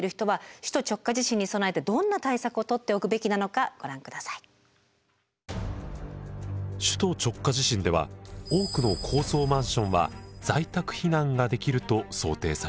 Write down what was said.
首都直下地震では多くの高層マンションは在宅避難ができると想定されています。